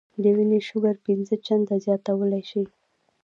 د وينې شوګر پنځه چنده زياتولے شي -